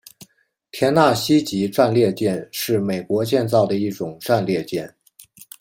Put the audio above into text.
田纳西级战列舰是美国建造的一种战列舰。